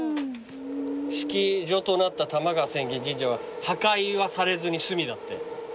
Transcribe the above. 指揮所となった多摩川浅間神社は破壊はされずに済みだって。